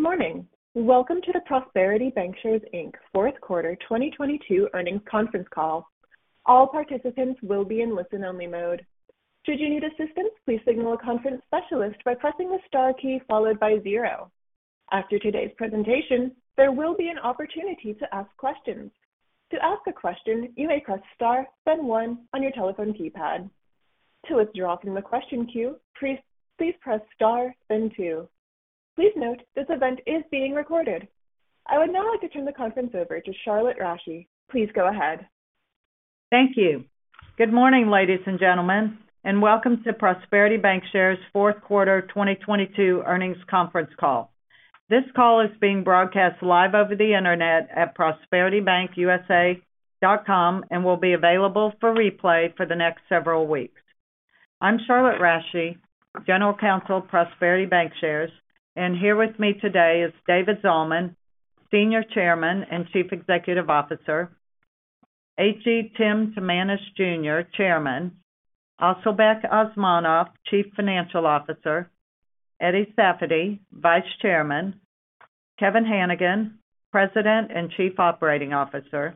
Good morning. Welcome to the Prosperity Bancshares, Inc. fourth quarter 2022 earnings conference call. All participants will be in listen-only mode. Should you need assistance, please signal a conference specialist by pressing the star key followed by zero. After today's presentation, there will be an opportunity to ask questions. To ask a question, you may press star then one on your telephone keypad. To withdraw from the question queue, please press star then two. Please note, this event is being recorded. I would now like to turn the conference over to Charlotte Rasche. Please go ahead. Thank you. Good morning, ladies and gentlemen, and welcome to Prosperity Bancshares fourth quarter 2022 earnings conference call. This call is being broadcast live over the internet at prosperitybankusa.com and will be available for replay for the next several weeks. I'm Charlotte Rasche, General Counsel, Prosperity Bancshares, and here with me today is David Zalman, Senior Chairman and Chief Executive Officer, H.E. Tim Timanus Jr., Chairman, Asylbek Osmonov, Chief Financial Officer, Eddie Safady, Vice Chairman, Kevin Hanigan, President and Chief Operating Officer,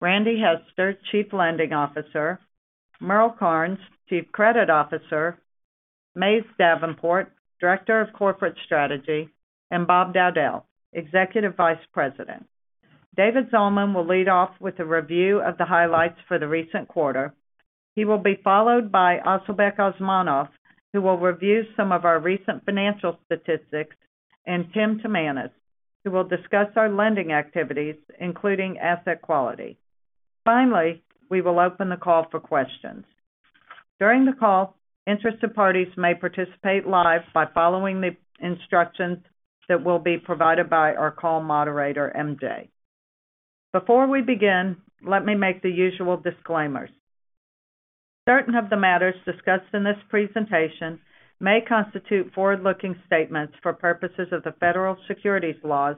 Randy Hester, Chief Lending Officer, Merle Karnes, Chief Credit Officer, Mays Davenport, Director of Corporate Strategy, and Bob Dowdell, Executive Vice President. David Zalman will lead off with a review of the highlights for the recent quarter. He will be followed by Asylbek Osmonov, who will review some of our recent financial statistics, and Tim Timanus, who will discuss our lending activities, including asset quality. We will open the call for questions. During the call, interested parties may participate live by following the instructions that will be provided by our call moderator, MJ. Before we begin, let me make the usual disclaimers. Certain of the matters discussed in this presentation may constitute forward-looking statements for purposes of the federal securities laws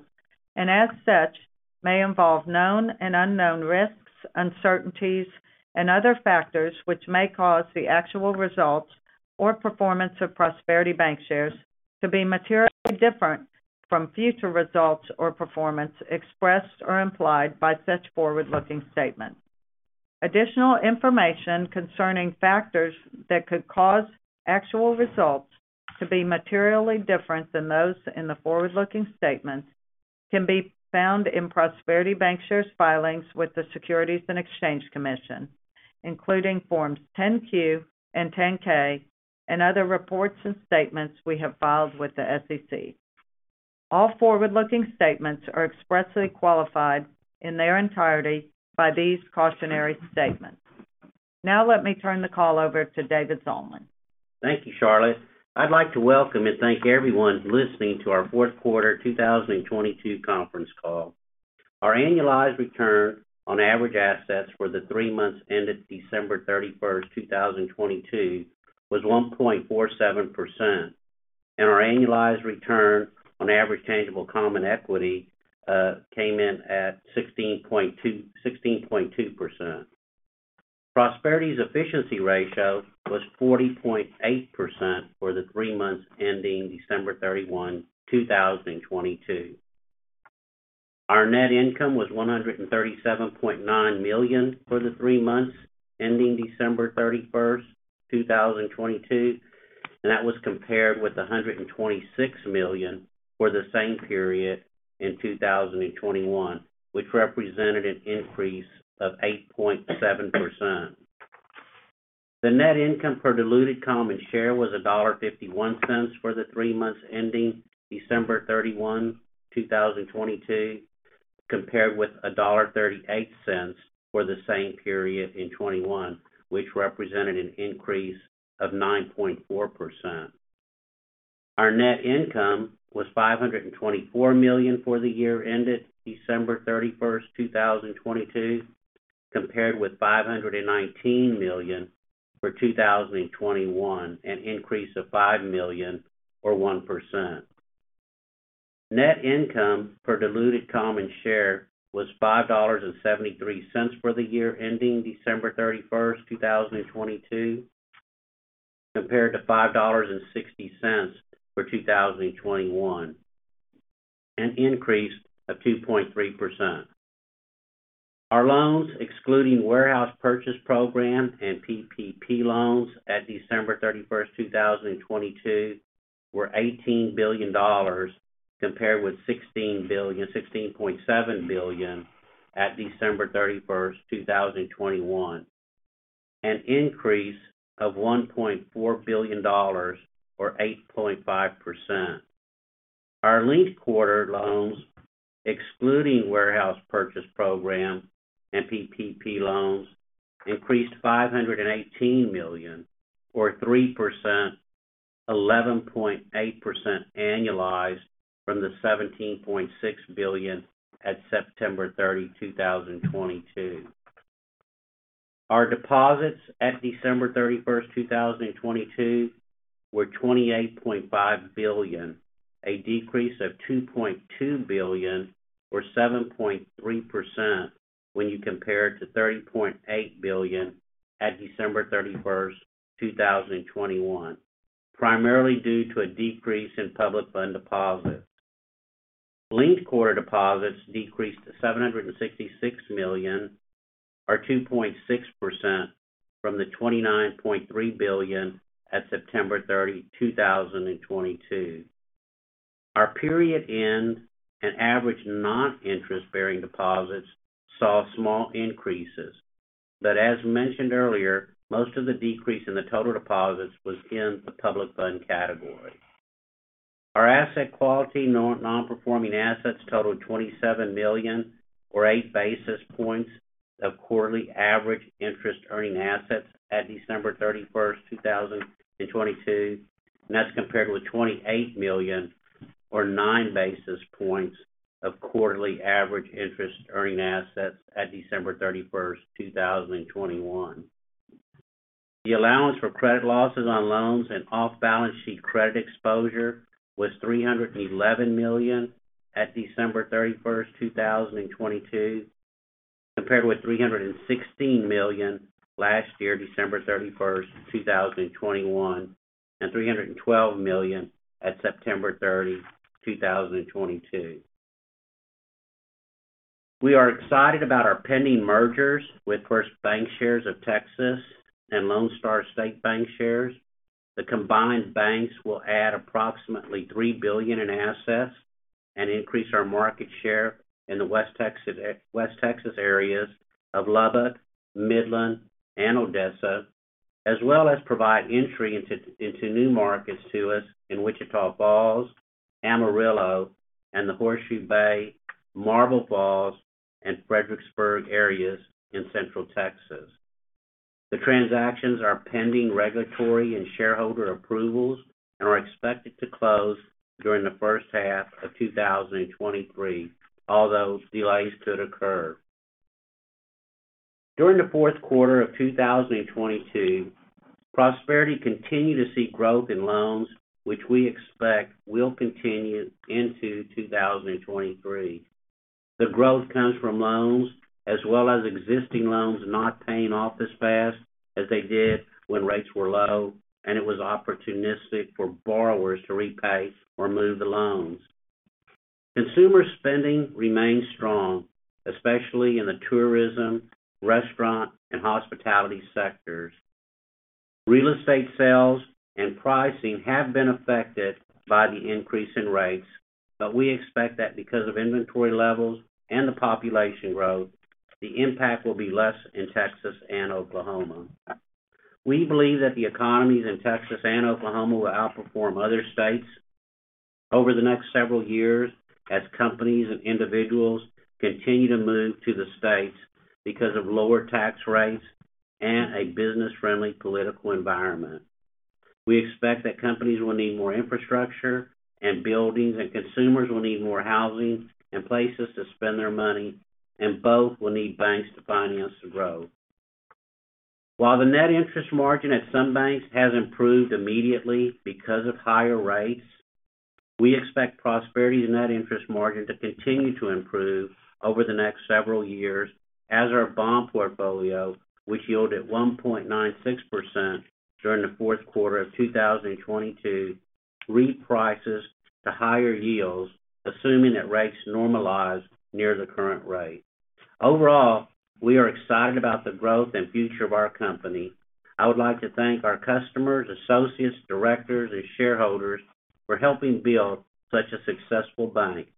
and, as such, may involve known and unknown risks, uncertainties, and other factors which may cause the actual results or performance of Prosperity Bancshares to be materially different from future results or performance expressed or implied by such forward-looking statements. Additional information concerning factors that could cause actual results to be materially different than those in the forward-looking statements can be found in Prosperity Bancshares filings with the Securities and Exchange Commission, including Forms 10-Q and 10-K and other reports and statements we have filed with the SEC. All forward-looking statements are expressly qualified in their entirety by these cautionary statements. Now let me turn the call over to David Zalman. Thank you, Charlotte. I'd like to welcome and thank everyone listening to our fourth quarter 2022 conference call. Our annualized return on average assets for the three months ended December 31, 2022 was 1.47%, and our annualized return on average tangible common equity came in at 16.2%. Prosperity's efficiency ratio was 40.8% for the three months ending December 31, 2022. Our net income was $137.9 million for the three months ending December 31, 2022, and that was compared with $126 million for the same period in 2021, which represented an increase of 8.7%. The net income per diluted common share was $1.51 for the three months ending December 31, 2022, compared with $1.38 for the same period in 2021, which represented an increase of 9.4%. Our net income was $524 million for the year ended December 31, 2022, compared with $519 million for 2021, an increase of $5 million or 1%. Net income per diluted common share was $5.73 for the year ending December 31, 2022, compared to $5.60 for 2021, an increase of 2.3%. Our loans, excluding Warehouse Purchase Program and PPP loans at December 31, 2022 were $18 billion, compared with $16.7 billion at December 31, 2021, an increase of $1.4 billion or 8.5%. Our linked quarter loans, excluding Warehouse Purchase Program and PPP loans, increased $518 million or 3%, 11.8% annualized from the $17.6 billion at September 30, 2022. Our deposits at December 31, 2022 were $28.5 billion, a decrease of $2.2 billion or 7.3% when you compare it to $30.8 billion at December 31, 2021, primarily due to a decrease in public fund deposits. Linked quarter deposits decreased to $766 million, or 2.6% from the $29.3 billion at September 30, 2022. Our period end and average non-interest-bearing deposits saw small increases. As mentioned earlier, most of the decrease in the total deposits was in the public fund category. Our asset quality non-performing assets totaled $27 million, or eight basis points of quarterly average interest-earning assets at December 31, 2022. That's compared with $28 million, or nine basis points of quarterly average interest-earning assets at December 31, 2021. The allowance for credit losses on loans and off-balance sheet credit exposure was $311 million at December 31, 2022, compared with $316 million last year, December 31, 2021, and $312 million at September 30, 2022. We are excited about our pending mergers with First Bancshares of Texas and Lone Star State Bancshares. The combined banks will add approximately $3 billion in assets and increase our market share in the West Texas areas of Lubbock, Midland, and Odessa, as well as provide entry into new markets to us in Wichita Falls, Amarillo, and the Horseshoe Bay, Marble Falls, and Fredericksburg areas in central Texas. The transactions are pending regulatory and shareholder approvals and are expected to close during the H1 of 2023, although delays could occur. During the fourth quarter of 2022, Prosperity continued to see growth in loans, which we expect will continue into 2023. The growth comes from loans as well as existing loans not paying off as fast as they did when rates were low, and it was opportunistic for borrowers to repay or move the loans. Consumer spending remains strong, especially in the tourism, restaurant, and hospitality sectors. Real estate sales and pricing have been affected by the increase in rates, we expect that because of inventory levels and the population growth, the impact will be less in Texas and Oklahoma. We believe that the economies in Texas and Oklahoma will outperform other States over the next several years as companies and individuals continue to move to the States because of lower tax rates and a business-friendly political environment. We expect that companies will need more infrastructure and buildings, and consumers will need more housing and places to spend their money, and both will need banks to finance the growth. While the net interest margin at some banks has improved immediately because of higher rates, we expect Prosperity's net interest margin to continue to improve over the next several years as our bond portfolio, which yielded 1.96% during the fourth quarter of 2022, reprices to higher yields, assuming that rates normalize near the current rate. Overall, we are excited about the growth and future of our company. I would like to thank our customers, associates, directors, and shareholders for helping build such a successful bank.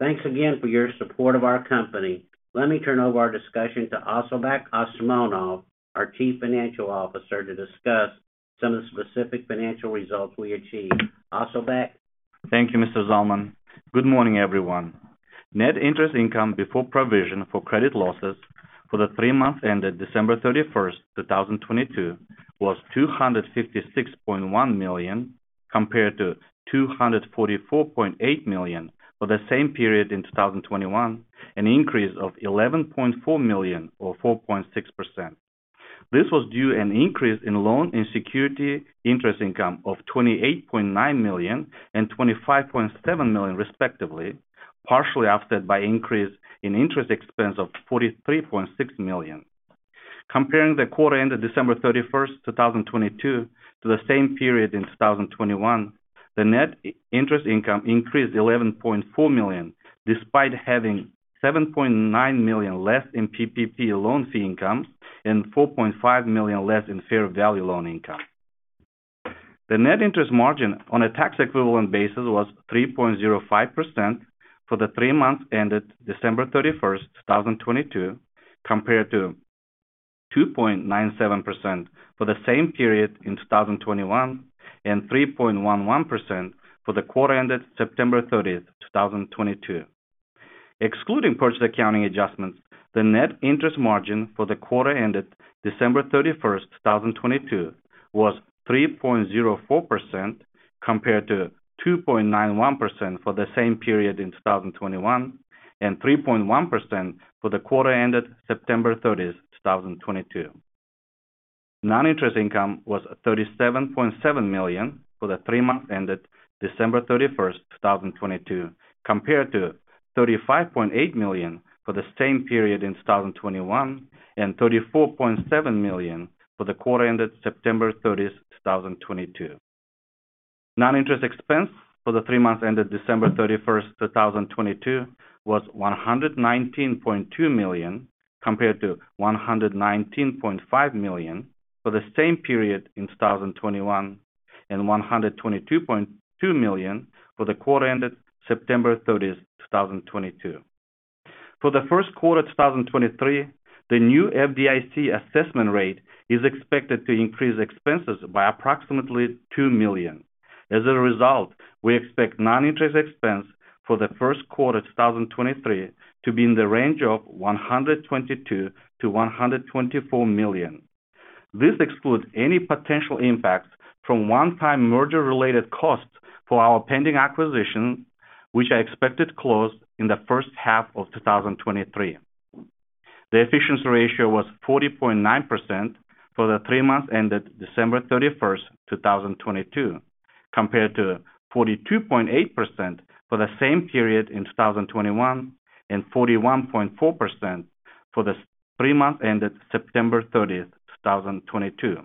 Thanks again for your support of our company. Let me turn over our discussion to Asylbek Osmonov, our Chief Financial Officer, to discuss some of the specific financial results we achieved. Asylbek? Thank you, Mr. Zalman. Good morning, everyone. Net interest income before provision for credit losses for the three months ended December 31st, 2022 was $256.1 million, compared to $244.8 million for the same period in 2021, an increase of $11.4 million or 4.6%. This was due an increase in loan and security interest income of $28.9 million and $25.7 million, respectively, partially offset by increase in interest expense of $43.6 million. Comparing the quarter ended December 31st, 2022 to the same period in 2021, the net interest income increased $11.4 million, despite having $7.9 million less in PPP loan fee income and $4.5 million less in fair value loan income. The net interest margin on a tax equivalent basis was 3.05% for the three months ended December 31, 2022, compared to 2.97% for the same period in 2021 and 3.11% for the quarter ended September 30, 2022. Excluding purchase accounting adjustments, the net interest margin for the quarter ended December 31, 2022, was 3.04% compared to 2.91% for the same period in 2021 and 3.1% for the quarter ended September 30, 2022. Non-interest income was $37.7 million for the three months ended December 31, 2022, compared to $35.8 million for the same period in 2021, and $34.7 million for the quarter ended September 30, 2022. Non-interest expense for the three months ended December 31, 2022 was $119.2 million compared to $119.5 million for the same period in 2021, and $122.2 million for the quarter ended September 30, 2022. For the first quarter 2023, the new FDIC assessment rate is expected to increase expenses by approximately $2 million. We expect non-interest expense for the first quarter 2023 to be in the range of $122 million-$124 million. This excludes any potential impact from one-time merger related costs for our pending acquisition, which are expected to close in the H1 of 2023. The efficiency ratio was 40.9% for the three months ended December 31, 2022, compared to 42.8% for the same period in 2021, and 41.4% for the three months ended September 30, 2022.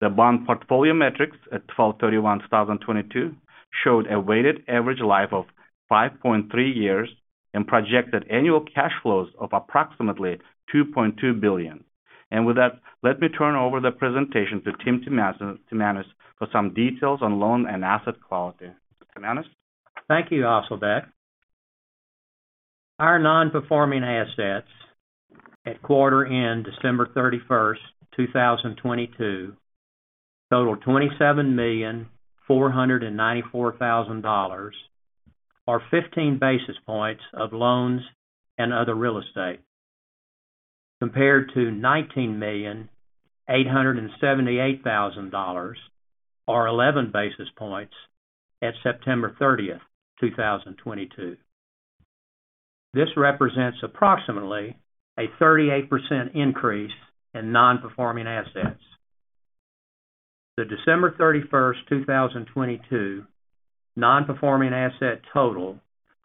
The bond portfolio metrics at 12/31/2022 showed a weighted average life of 5.3 years and projected annual cash flows of approximately $2.2 billion. With that, let me turn over the presentation to Tim Timanus for some details on loan and asset quality. Timanus? Thank you, Asylbek Osmonov. Our non-performing assets at quarter end December 31, 2022 total $27,494,000 are 15 basis points of loans and other real estate, compared to $19,878,000 or 11 basis points at September 30, 2022. This represents approximately a 38% increase in non-performing assets. The December 31, 2022 non-performing asset total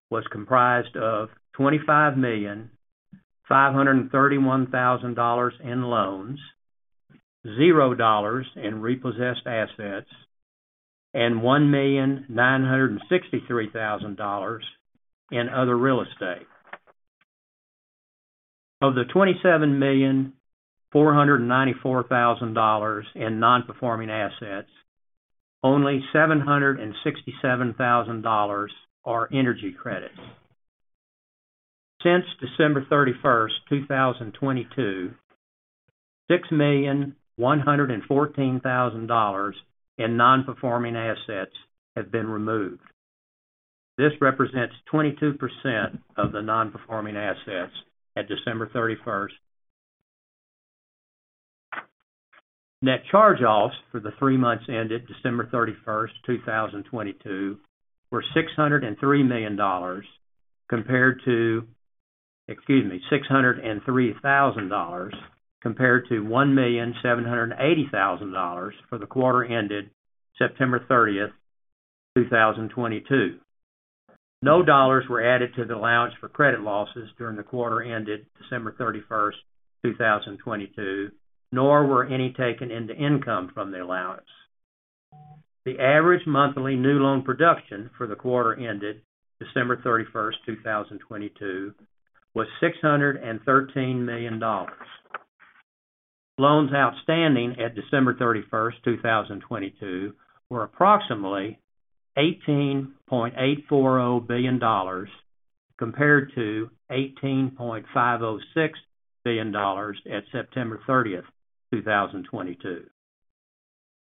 was comprised of $25,531,000 in loans, $0 in repossessed assets, and $1,963,000 in other real estate. Of the $27,494,000 in non-performing assets, only $767,000 are energy credits. Since December 31, 2022, $6,114,000 in non-performing assets have been removed. This represents 22% of the non-performing assets at December 31st. Net charge-offs for the three months ended December 31st, 2022 were $603 million compared to, excuse me, $603 thousand compared to $1,780,000 for the quarter ended September 30th, 2022. No dollars were added to the allowance for credit losses during the quarter ended December 31st, 2022, nor were any taken into income from the allowance. The average monthly new loan production for the quarter ended December 31st, 2022 was $613 million. Loans outstanding at December 31st, 2022 were approximately $18.840 billion compared to $18.506 billion at September 30th, 2022.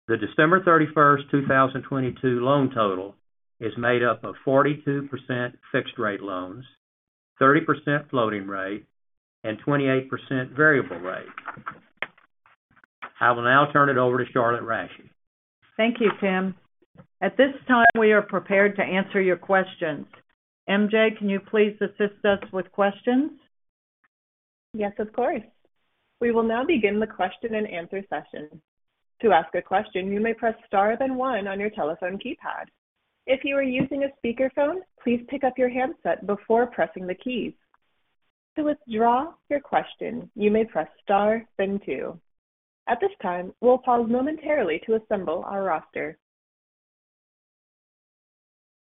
The December 31, 2022 loan total is made up of 42% fixed rate loans, 30% floating rate, and 28% variable rate. I will now turn it over to Charlotte Rasche. Thank you, Tim. At this time, we are prepared to answer your questions. MJ, can you please assist us with questions? Yes, of course. We will now begin the question and answer session. To ask a question, you may press star then 1 on your telephone keypad. If you are using a speakerphone, please pick up your handset before pressing the keys. To withdraw your question, you may press star then two. At this time, we'll pause momentarily to assemble our roster.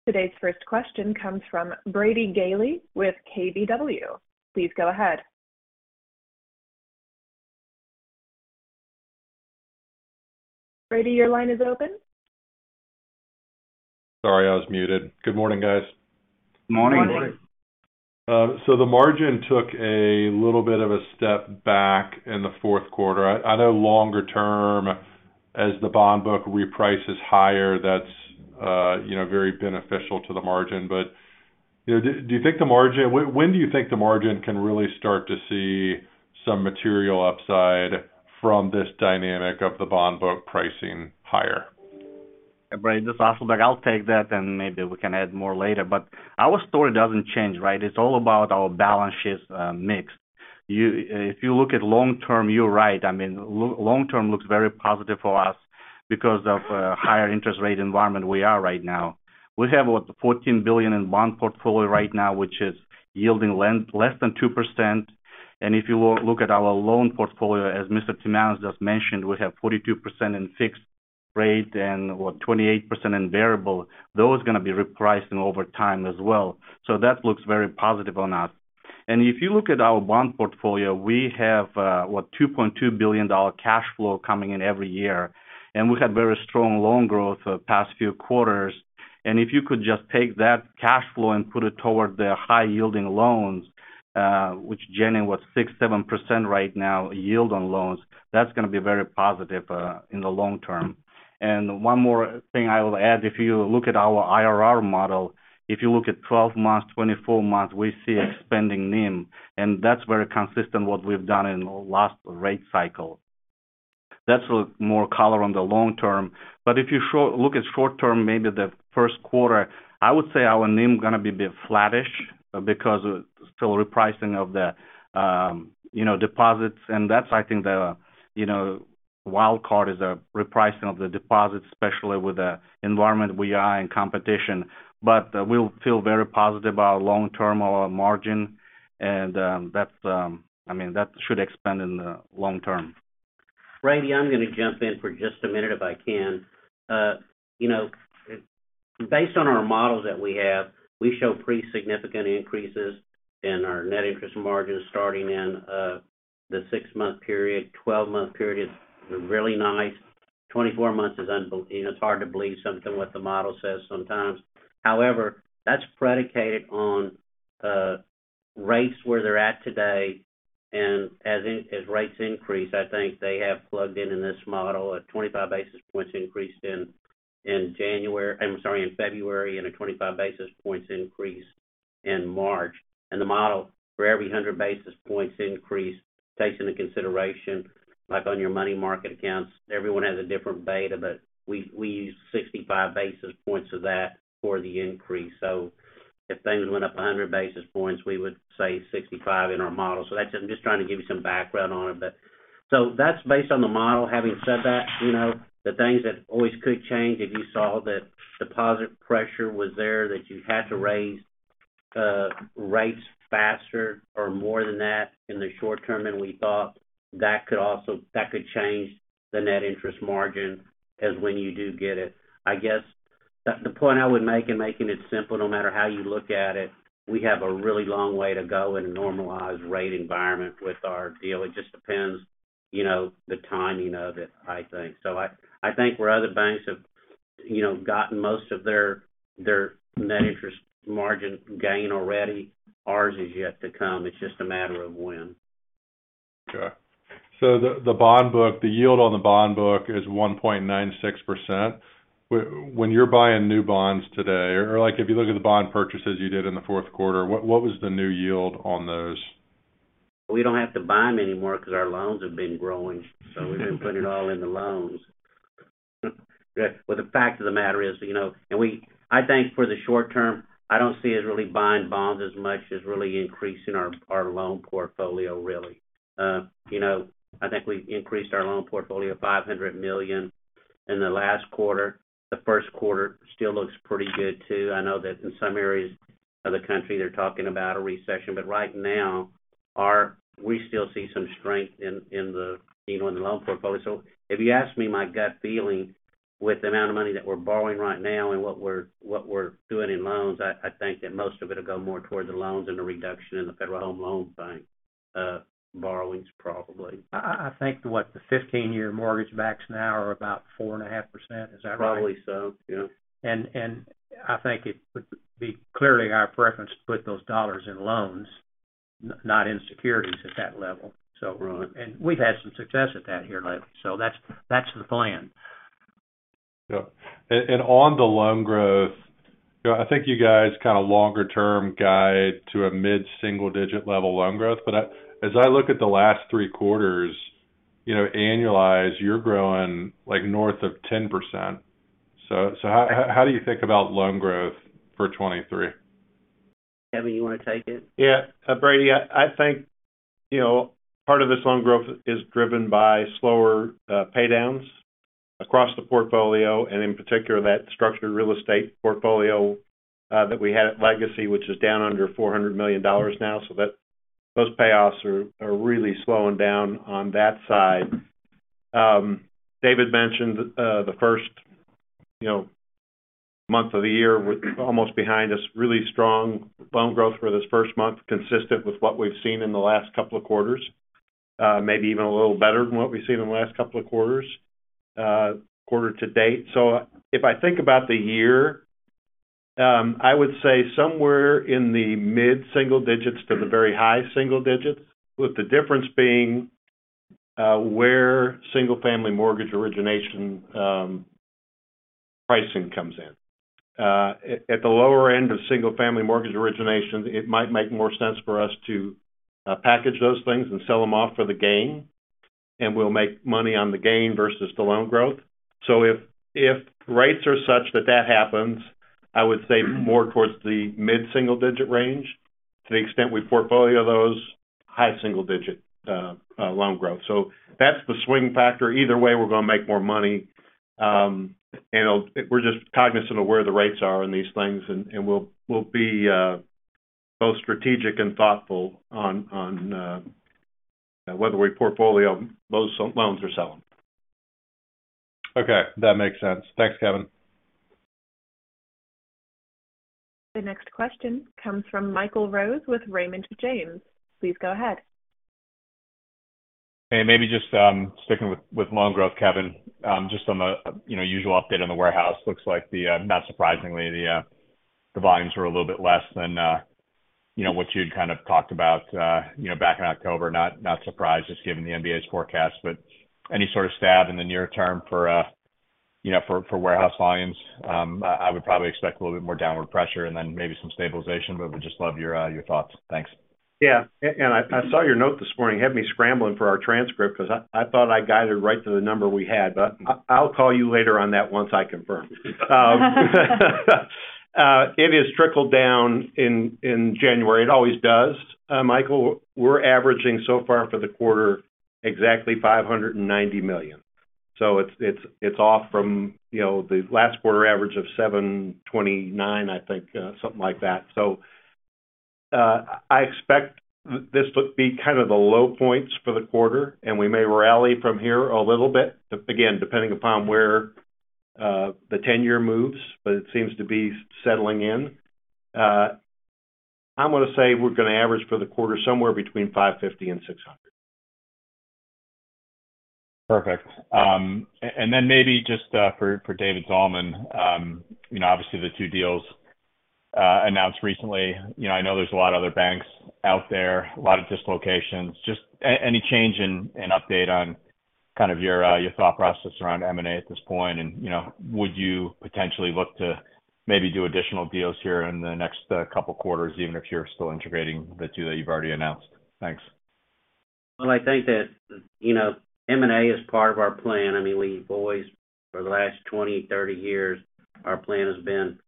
Today's first question comes from Brady Gailey with KBW. Please go ahead. Brady, your line is open. Sorry, I was muted. Good morning, guys. Morning. The margin took a little bit of a step back in the fourth quarter. I know longer term as the bond book reprices higher, that's, you know, very beneficial to the margin. You know, do you think the margin when do you think the margin can really start to see some material upside from this dynamic of the bond book pricing higher? Brady, this is Asylbek. I'll take that, and maybe we can add more later. Our story doesn't change, right? It's all about our balance sheets mix If you look at long term, you're right. I mean, long term looks very positive for us because of higher interest rate environment we are right now. We have about $14 billion in bond portfolio right now, which is yielding less than 2%. If you look at our loan portfolio, as Mr. Timanus just mentioned, we have 42% in fixed rate and, what, 28% in variable. Those are gonna be repriced in over time as well. That looks very positive on us. If you look at our bond portfolio, we have, what, $2.2 billion cash flow coming in every year. We had very strong loan growth for the past few quarters. If you could just take that cash flow and put it toward the high-yielding loans, which generally was 6%-7% right now yield on loans, that's gonna be very positive in the long term. One more thing I will add, if you look at our IRR model, if you look at 12 months, 24 months, we see expanding NIM, and that's very consistent what we've done in the last rate cycle. That's a more color on the long term. But if you look at short term, maybe the 1st quarter, I would say our NIM gonna be a bit flattish because of still repricing of the, you know, deposits. That's, I think, the, you know, wild card is the repricing of the deposits, especially with the environment we are in competition. We'll feel very positive about long-term, our margin and, that's, I mean, that should expand in the long term. Randy, I'm gonna jump in for just a minute if I can. You know, based on our models that we have, we show pretty significant increases in our net interest margins starting in the six-month period. 12-month period is really nice. 24 months is you know, it's hard to believe something what the model says sometimes. However, that's predicated on rates where they're at today. As rates increase, I think they have plugged in in this model a 25 basis points increase in February and a 25 basis points increase in March. The model for every 100 basis points increase takes into consideration, like on your money market accounts, everyone has a different beta, but we use 65 basis points of that for the increase. If things went up 100 basis points, we would say 65 in our model. That's it. I'm just trying to give you some background on it. That's based on the model. Having said that, you know, the things that always could change, if you saw that deposit pressure was there, that you had to raise rates faster or more than that in the short term than we thought, that could also change the net interest margin as when you do get it. I guess the point I would make in making it simple, no matter how you look at it, we have a really long way to go in a normalized rate environment with our deal. It just depends, you know, the timing of it, I think. I think where other banks have, you know, gotten most of their net interest margin gain already, ours is yet to come. It's just a matter of when. The bond book, the yield on the bond book is 1.96%. When you're buying new bonds today, or, like, if you look at the bond purchases you did in the fourth quarter, what was the new yield on those? We don't have to buy them anymore because our loans have been growing, we've been putting it all in the loans. The fact of the matter is, you know, I think for the short term, I don't see us really buying bonds as much as really increasing our loan portfolio, really. You know, I think we increased our loan portfolio $500 million in the last quarter. The first quarter still looks pretty good, too. I know that in some areas of the country, they're talking about a recession. Right now, we still see some strength in the, you know, in the loan portfolio. If you ask me my gut feeling with the amount of money that we're borrowing right now and what we're doing in loans, I think that most of it will go more towards the loans and the reduction in the Federal Home Loan Bank borrowings, probably. I think, what, the 15-year mortgage backs now are about 4.5%. Is that right? Probably so, yeah. I think it would be clearly our preference to put those dollars in loans, not in securities at that level, so. Right. We've had some success at that here lately. That's, that's the plan. Yeah. On the loan growth, you know, I think you guys kind of longer term guide to a mid-single digit level loan growth. As I look at the last 3 quarters, you know, annualized, you're growing like north of 10%. How do you think about loan growth for 2023? Kevin, you wanna take it? Yeah. Brady, I think, you know, part of this loan growth is driven by slower pay downs across the portfolio, in particular, that structured real estate portfolio that we had at Legacy, which is down under $400 million now. Those payoffs are really slowing down on that side. David mentioned, the first, you know, month of the year almost behind us, really strong loan growth for this first month, consistent with what we've seen in the last couple of quarters, maybe even a little better than what we've seen in the last couple of quarters, quarter to date. If I think about the year, I would say somewhere in the mid-single digits% to the very high single digits%, with the difference being where single-family mortgage origination pricing comes in. At the lower end of single-family mortgage origination, it might make more sense for us to package those things and sell them off for the gain. We'll make money on the gain versus the loan growth. If rates are such that that happens, I would say more towards the mid-single-digit range to the extent we portfolio those high single-digit loan growth. That's the swing factor. Either way, we're gonna make more money. And we're just cognizant of where the rates are in these things, and we'll be both strategic and thoughtful on whether we portfolio those loans or sell them. Okay, that makes sense. Thanks, Kevin. The next question comes from Michael Rose with Raymond James. Please go ahead. Hey, maybe just sticking with loan growth, Kevin. Just on the, you know, usual update on the warehouse. Looks like the, not surprisingly, the volumes were a little bit less than, you know, what you'd kind of talked about, you know, back in October, not surprised, just given the MBA's forecast. Any sort of stab in the near term for, you know, for warehouse volumes, I would probably expect a little bit more downward pressure and then maybe some stabilization, but would just love your thoughts. Thanks. Yeah. I saw your note this morning. You had me scrambling for our transcript because I thought I guided right to the number we had, but I'll call you later on that once I confirm. It has trickled down in January. It always does. Michael, we're averaging so far for the quarter exactly $590 million. It's off from, you know, the last quarter average of $729 million, I think, something like that. I expect this to be kind of the low points for the quarter, and we may rally from here a little bit, again, depending upon where the tenure moves, but it seems to be settling in. I'm gonna say we're gonna average for the quarter somewhere between $550 million-$600 million. Perfect. Then maybe just for David Zalman, you know, obviously the two deals announced recently. You know, I know there's a lot of other banks out there, a lot of dislocations. Just any change and update on kind of your thought process around M&A at this point, and you know, would you potentially look to maybe do additional deals here in the next couple quarters, even if you're still integrating the two that you've already announced? Thanks. Well, I think that, you know, M&A is part of our plan. I mean, we've always, for the last 20, 30 years, our plan has been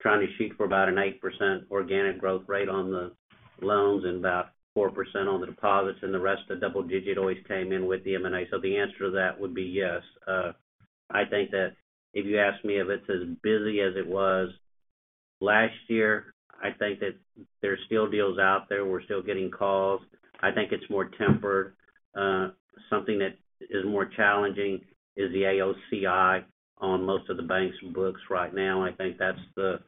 trying to shoot for about an 8% organic growth rate on the loans and about 4% on the deposits, and the rest of the double-digit always came in with the M&A. The answer to that would be yes. I think that if you ask me if it's as busy as it was last year, I think that there's still deals out there. We're still getting calls. I think it's more tempered. Something that is more challenging is the AOCI on most of the bank's books right now. I think that's the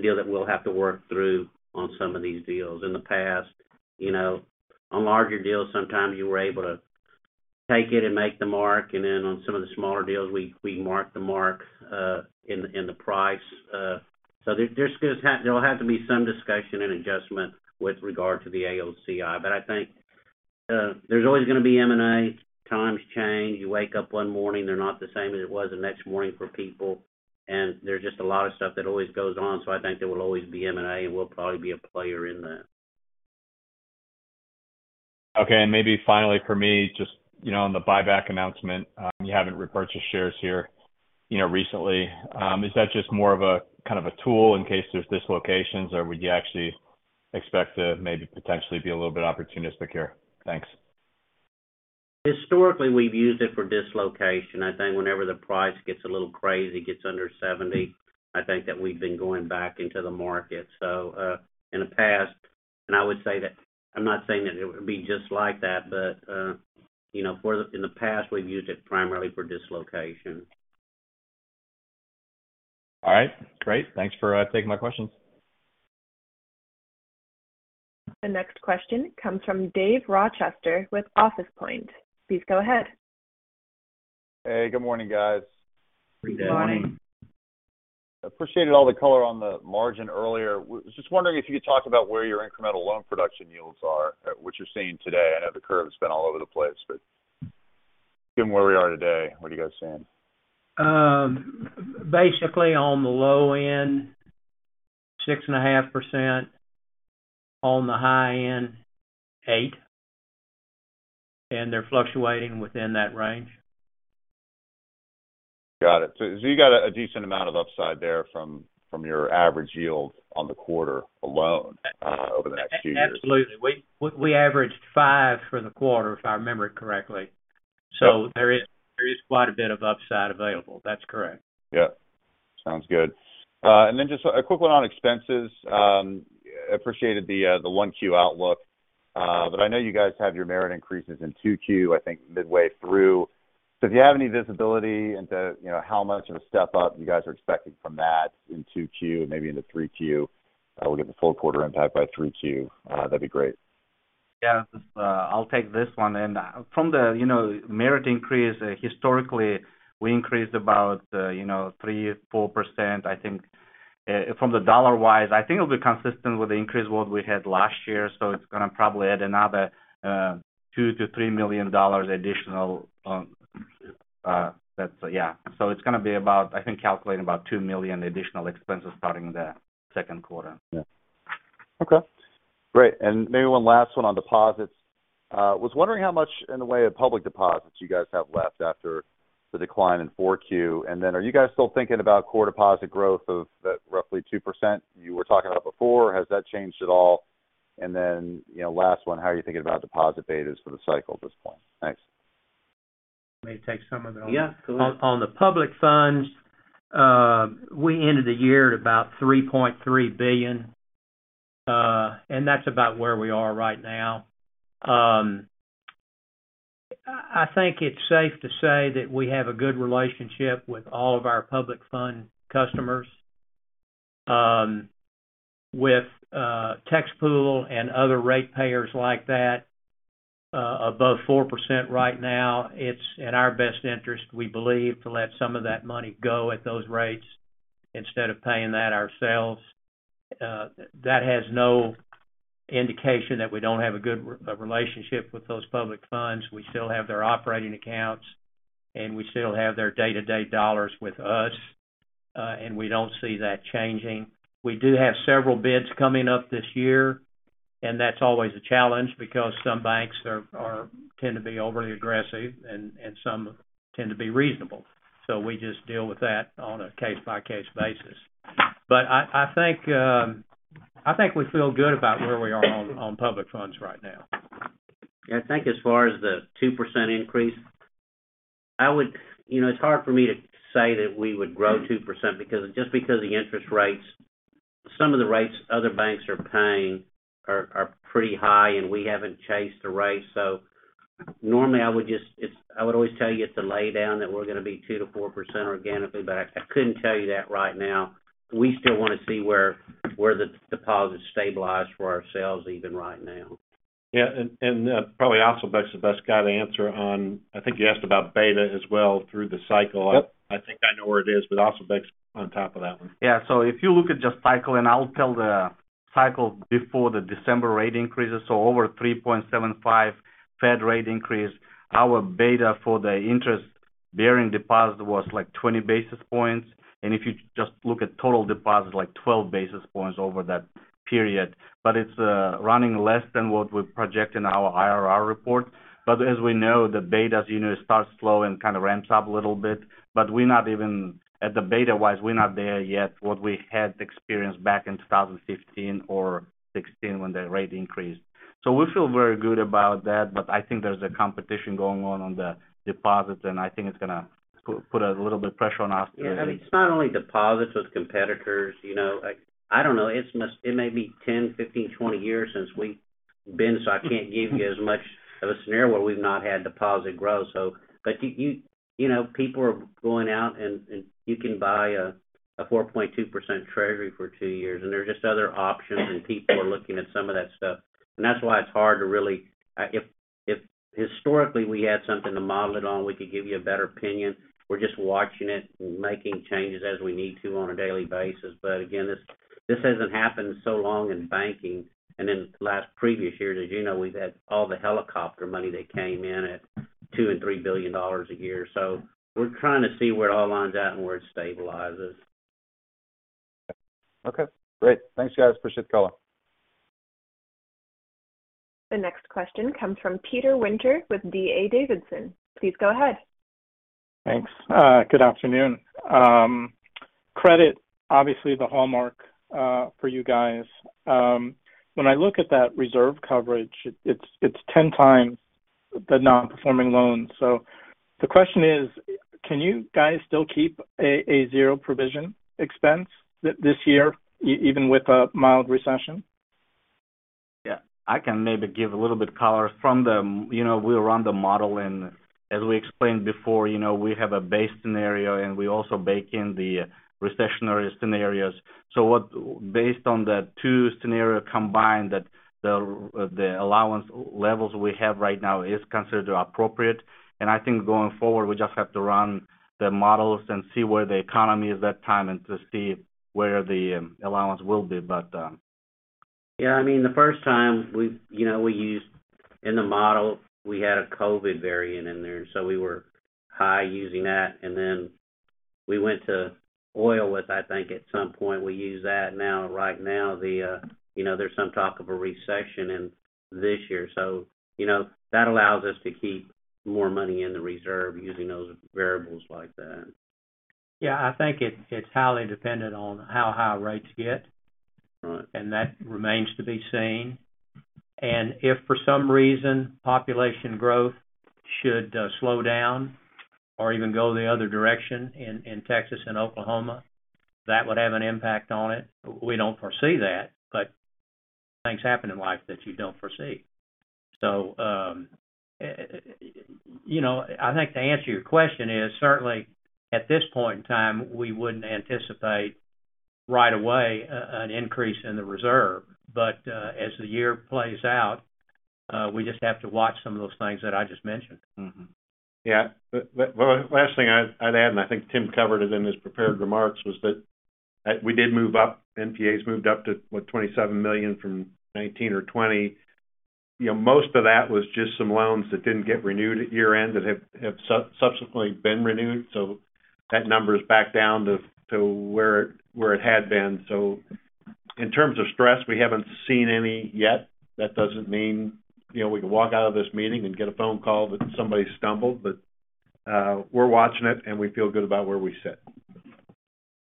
deal that we'll have to work through on some of these deals. In the past, you know, on larger deals, sometimes you were able to take it and make the mark, and then on some of the smaller deals, we mark the mark in the price. There will have to be some discussion and adjustment with regard to the AOCI. I think there's always gonna be M&A. Times change. You wake up one morning, they're not the same as it was the next morning for people, there's just a lot of stuff that always goes on. I think there will always be M&A, we'll probably be a player in that. Maybe finally for me, just, you know, on the buyback announcement, you haven't repurchased shares here, you know, recently. Is that just more of a, kind of a tool in case there's dislocations, or would you actually expect to maybe potentially be a little bit opportunistic here? Thanks. Historically, we've used it for dislocation. I think whenever the price gets a little crazy, gets under 70, I think that we've been going back into the market. In the past, and I would say that I'm not saying that it would be just like that, but, you know, in the past, we've used it primarily for dislocation. All right. Great. Thanks for taking my questions. The next question comes from David Rochester with Compass Point. Please go ahead. Hey, good morning, guys. Good morning. Good morning. Appreciated all the color on the margin earlier. I was just wondering if you could talk about where your incremental loan production yields are at what you're seeing today? I know the curve's been all over the place, but given where we are today, what are you guys seeing? Basically on the low end, 6.5%, on the high end, 8%, and they're fluctuating within that range. Got it. You got a decent amount of upside there from your average yield on the quarter alone, over the next few years. Absolutely. We averaged five for the quarter, if I remember correctly. There is quite a bit of upside available. That's correct. Yeah. Sounds good. Just a quick one on expenses. Appreciated the 1Q outlook. I know you guys have your merit increases in 2Q, I think midway through. If you have any visibility into, you know, how much of a step up you guys are expecting from that in 2Q and maybe into 3Q, we'll get the full quarter impact by 3Q, that'd be great. Yeah. I'll take this one. From the, you know, merit increase, historically, we increased about, you know, 3%-4%. I think, from the dollar-wise, I think it'll be consistent with the increase what we had last year. it's gonna probably add another, $2 million-$3 million additional, yeah. it's gonna be about, I think, calculating about $2 million additional expenses starting the second quarter. Yeah. Okay, great. Maybe one last one on deposits. Was wondering how much in the way of public deposits you guys have left after the decline in 4Q. Are you guys still thinking about core deposit growth of that roughly 2% you were talking about before, or has that changed at all? you know, last one, how are you thinking about deposit betas for the cycle at this point? Thanks. May take some of it on. Yeah, go ahead. On the public funds, we ended the year at about $3.3 billion, that's about where we are right now. I think it's safe to say that we have a good relationship with all of our public fund customers. With tax pool and other rate payers like that, above 4% right now, it's in our best interest, we believe, to let some of that money go at those rates instead of paying that ourselves. That has no indication that we don't have a good relationship with those public funds. We still have their operating accounts, and we still have their day-to-day dollars with us, we don't see that changing. We do have several bids coming up this year. That's always a challenge because some banks are tend to be overly aggressive and some tend to be reasonable. We just deal with that on a case-by-case basis. I think, I think we feel good about where we are on public funds right now. I think as far as the 2% increase, I would... You know, it's hard for me to say that we would grow 2% because just because the interest rates, some of the rates other banks are paying are pretty high, and we haven't chased the rates. Normally I would always tell you it's a lay down that we're gonna be 2%-4% organically, I couldn't tell you that right now. We still wanna see where the deposits stabilize for ourselves even right now. Yeah. Probably Asylbek Osmonov is the best guy to answer on, I think you asked about beta as well through the cycle. Yep. I think I know where it is, but Asylbek is on top of that one. Yeah. If you look at just cycle, and I'll tell the cycle before the December rate increases, over 3.75 Fed rate increase, our beta for the interest-bearing deposit was like 20 basis points. If you just look at total deposits, like 12 basis points over that period. It's running less than what we project in our IRR report. As we know, the betas, you know, start slow and kind of ramps up a little bit. We're not at the beta-wise, we're not there yet what we had experienced back in 2015 or 2016 when the rate increased. We feel very good about that, but I think there's a competition going on the deposits, and I think it's gonna put a little bit of pressure on us. Yeah. I mean, it's not only deposits with competitors. You know, like, I don't know, it may be 10, 15, 20 years since we've been, so I can't give you as much of a scenario where we've not had deposit growth. But you know, people are going out and you can buy a 4.2% treasury for two years, and there are just other options, and people are looking at some of that stuff. That's why it's hard to really. If historically we had something to model it on, we could give you a better opinion. We're just watching it and making changes as we need to on a daily basis. Again, this hasn't happened so long in banking. Last previous year, as you know, we've had all the helicopter money that came in at $2 billion-$3 billion a year. We're trying to see where it all lines out and where it stabilizes. Okay, great. Thanks, guys. Appreciate the call. The next question comes from Peter Winter with D.A. Davidson. Please go ahead. Thanks. Good afternoon. Credit obviously the hallmark for you guys. When I look at that reserve coverage, it's 10 times the non-performing loan. The question is: Can you guys still keep a zero provision expense this year even with a mild recession? Yeah. I can maybe give a little bit color. You know, we run the model and as we explained before, you know, we have a base scenario, and we also bake in the recessionary scenarios. Based on the two scenario combined that the allowance levels we have right now is considered appropriate. I think going forward, we just have to run the models and see where the economy is that time and to see where the allowance will be. I mean, the first time we, you know, we used in the model, we had a COVID variant in there, so we were high using that. Then we went to oil. I think at some point we used that. Right now, the, you know, there's some talk of a recession in this year. You know, that allows us to keep more money in the reserve using those variables like that. Yeah. I think it's highly dependent on how high rates get. Right. That remains to be seen. If for some reason population growth should slow down or even go the other direction in Texas and Oklahoma, that would have an impact on it. We don't foresee that, but things happen in life that you don't foresee. You know, I think to answer your question is, certainly at this point in time, we wouldn't anticipate right away an increase in the reserve. As the year plays out, we just have to watch some of those things that I just mentioned. Mm-hmm. Yeah. Well, last thing I'd add, and I think Tim covered it in his prepared remarks, was that, we did move up, NPAs moved up to, what? $27 million from $19 million or $20 million. You know, most of that was just some loans that didn't get renewed at year-end that have subsequently been renewed, so that number's back down to where it had been. In terms of stress, we haven't seen any yet. That doesn't mean, you know, we can walk out of this meeting and get a phone call that somebody stumbled, but we're watching it, and we feel good about where we sit.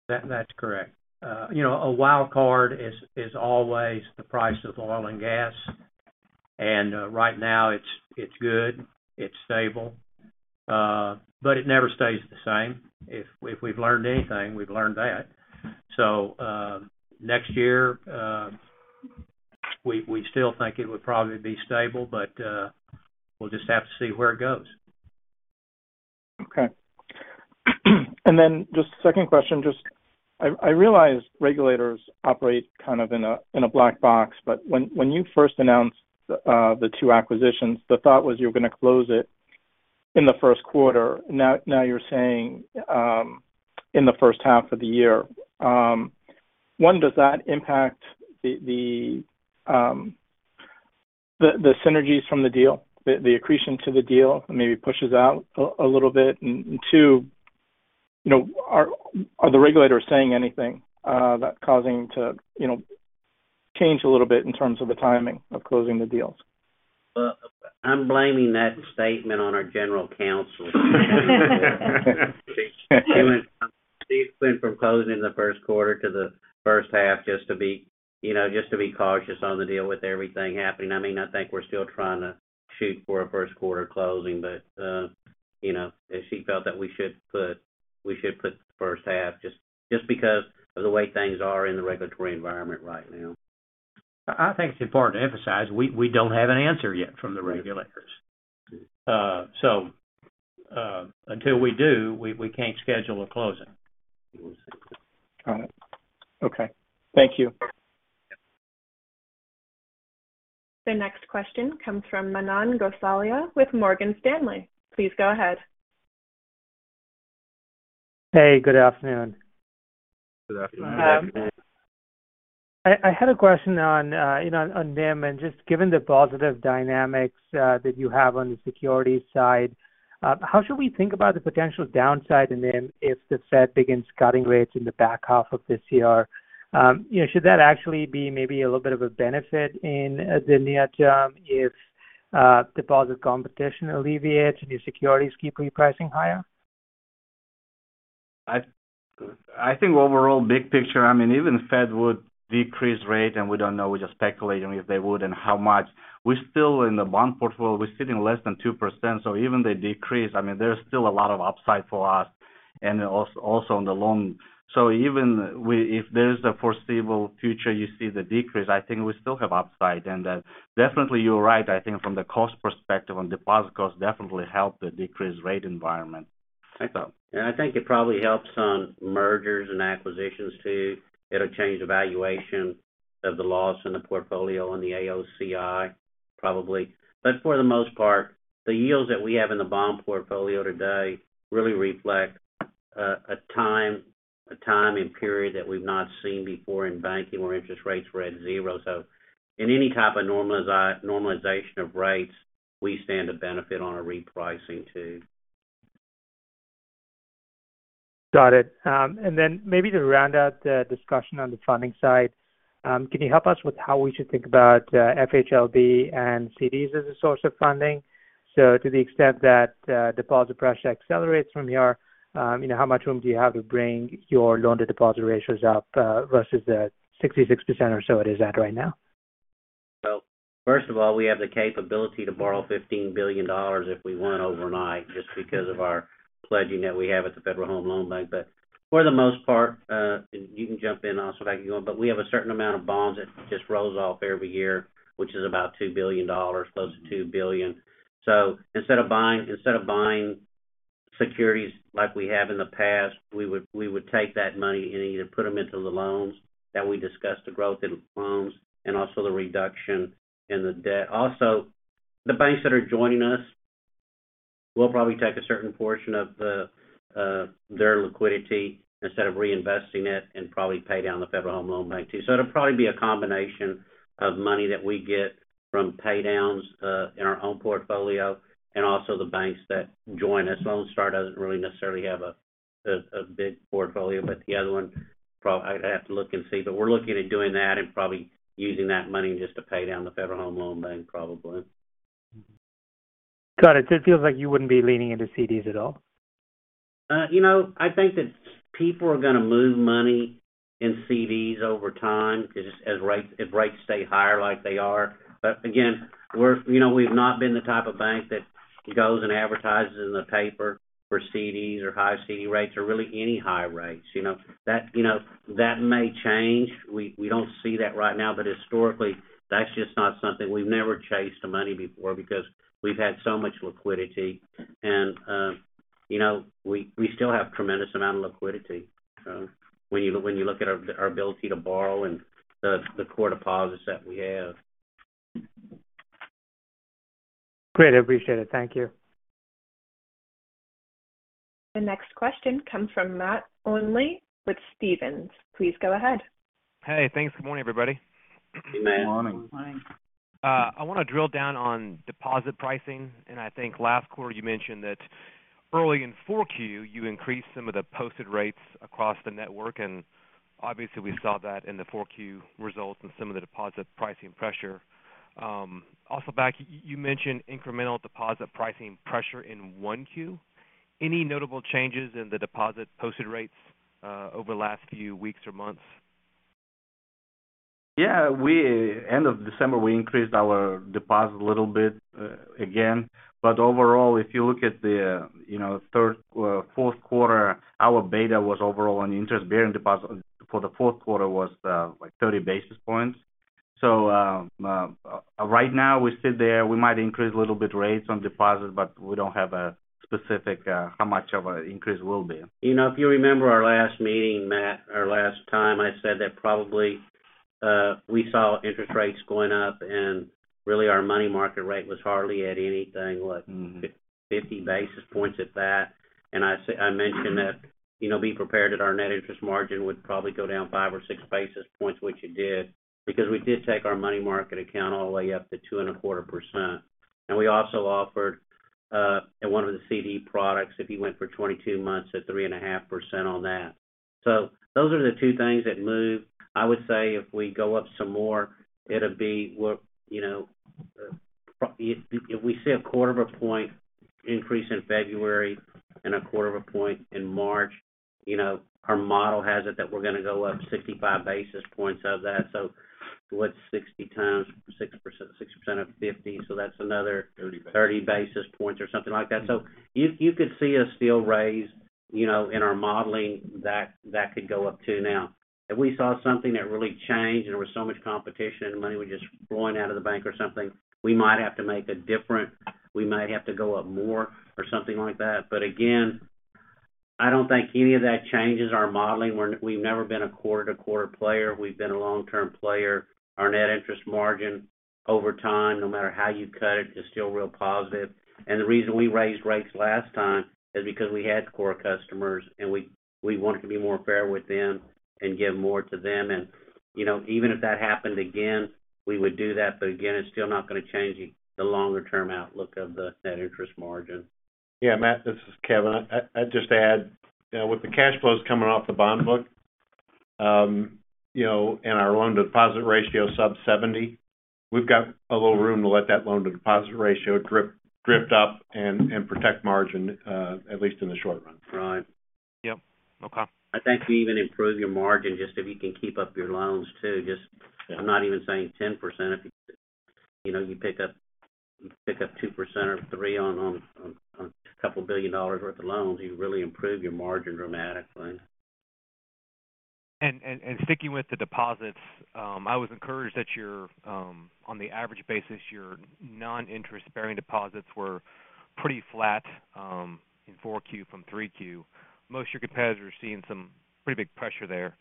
That's correct. you know, a wild card is always the price of oil and gas. Right now it's good, it's stable, but it never stays the same. If we've learned anything, we've learned that. Next year, we still think it would probably be stable, but we'll just have to see where it goes. Okay. Just second question, just I realize regulators operate kind of in a, in a black box, when you first announced the two acquisitions, the thought was you were gonna close it in the first quarter. Now, you're saying in the first half of the year. One, does that impact the synergies from the deal, the accretion to the deal, maybe pushes out a little bit? Two, you know, are the regulators saying anything that causing to, you know, change a little bit in terms of the timing of closing the deals? Well, I'm blaming that statement on our general counsel. She went from closing in the first quarter to the first half just to be, you know, just to be cautious on the deal with everything happening. I mean, I think we're still trying to shoot for a first quarter closing, but, you know, she felt that we should put the first half just because of the way things are in the regulatory environment right now. I think it's important to emphasize, we don't have an answer yet from the regulators. Until we do, we can't schedule a closing. All right. Okay. Thank you. The next question comes from Manan Gosalia with Morgan Stanley. Please go ahead. Hey, good afternoon. Good afternoon, Manan. I had a question on, you know, on NIM, and just given the positive dynamics that you have on the securities side, how should we think about the potential downside in NIM if the Fed begins cutting rates in the back half of this year? You know, should that actually be maybe a little bit of a benefit in the near term if deposit competition alleviates and your securities keep repricing higher? I think overall big picture, I mean, even the Fed would decrease rate. We don't know, we're just speculating if they would and how much. We're still in the bond portfolio, we're sitting less than 2%, so even the decrease, I mean, there's still a lot of upside for us and also on the loan. Even we if there's a foreseeable future, you see the decrease, I think we still have upside. Definitely you're right, I think from the cost perspective on deposit cost, definitely help the decreased rate environment. I think it probably helps on mergers and acquisitions too. It'll change the valuation of the loss in the portfolio on the AOCI probably. For the most part, the yields that we have in the bond portfolio today really reflect a time and period that we've not seen before in banking, where interest rates were at 0. In any type of normalization of rates, we stand to benefit on a repricing too. Got it. Then maybe to round out the discussion on the funding side, can you help us with how we should think about FHLB and CDs as a source of funding? To the extent that deposit pressure accelerates from here, you know, how much room do you have to bring your loan-to-deposit ratios up versus the 66% or so it is at right now? First of all, we have the capability to borrow $15 billion if we want overnight, just because of our pledging that we have at the Federal Home Loan Bank. For the most part, you can jump in also, but we have a certain amount of bonds that just rolls off every year, which is about $2 billion, close to $2 billion. Instead of buying securities like we have in the past, we would take that money and either put them into the loans that we discussed, the growth in loans, and also the reduction in the debt. The banks that are joining us will probably take a certain portion of their liquidity instead of reinvesting it and probably pay down the Federal Home Loan Bank too. It'll probably be a combination of money that we get from pay downs, in our own portfolio and also the banks that join us. Lone Star doesn't really necessarily have a big portfolio, but the other one I'd have to look and see, but we're looking at doing that and probably using that money just to pay down the Federal Home Loan Bank probably. Got it. It feels like you wouldn't be leaning into CDs at all? You know, I think that people are gonna move money in CDs over time just as rates, if rates stay higher like they are. Again, we're, you know, we've not been the type of bank that goes and advertises in the paper for CDs or high CD rates or really any high rates, you know? That, you know, that may change. We don't see that right now, but historically, that's just not something. We've never chased the money before because we've had so much liquidity and, you know, we still have tremendous amount of liquidity. When you, when you look at our ability to borrow and the core deposits that we have. Great. I appreciate it. Thank you. The next question comes from Matt Olney with Stephens. Please go ahead. Hey, thanks. Good morning, everybody. Good morning. Good morning. I wanna drill down on deposit pricing, I think last quarter you mentioned that early in 4Q, you increased some of the posted rates across the network, and obviously we saw that in the 4Q results and some of the deposit pricing pressure. Asylbek, you mentioned incremental deposit pricing pressure in 1Q. Any notable changes in the deposit posted rates, over the last few weeks or months? Yeah, End of December, we increased our deposit a little bit again, but overall, if you look at the, you know, third, fourth quarter, our beta was overall on interest-bearing deposit for the fourth quarter was like 30 basis points. Right now we sit there, we might increase a little bit rates on deposits, but we don't have a specific how much of an increase will be. You know, if you remember our last meeting, Matt, or last time, I said that probably we saw interest rates going up and really our money market rate was hardly at anything, 50 basis points at that. I mentioned that our net interest margin would probably go down 5 or 6 basis points, which it did, because we did take our money market account all the way up to 2.25%. We also offered in one of the CD products, if you went for 22 months at 3.5% on that. Those are the two things that move. I would say if we go up some more, it'll be, what, you know, if we see a quarter of a point increase in February and a quarter of a point in March, you know, our model has it that we're gonna go up 65 basis points of that. What's 60 times 6%? 6% of 50. 30 basis... 30 basis points or something like that. You could see us still raise, you know, in our modeling that could go up, too. Now, if we saw something that really changed, and there was so much competition, and money was just flowing out of the bank or something, we might have to go up more or something like that. Again, I don't think any of that changes our modeling. We've never been a quarter-to-quarter player. We've been a long-term player. Our net interest margin over time, no matter how you cut it, is still real positive. The reason we raised rates last time is because we had core customers, and we wanted to be more fair with them and give more to them. You know, even if that happened again, we would do that. Again, it's still not going to change the longer term outlook of the net interest margin. Yeah, Matt, this is Kevin. I'd just add, you know, with the cash flows coming off the bond book, you know, our loan deposit ratio sub 70, we've got a little room to let that loan to deposit ratio drift up and protect margin, at least in the short run. Right. Yep. Okay. I think we even improve your margin just if you can keep up your loans, too. Yeah. I'm not even saying 10%. If, you know, you pick up 2% or 3% on a couple billion dollars worth of loans, you really improve your margin dramatically. Sticking with the deposits, I was encouraged that your on the average basis, your non-interest-bearing deposits were pretty flat in 4Q from 3Q. Most of your competitors are seeing some pretty big pressure there.